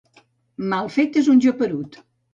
Mal fet és un geperut.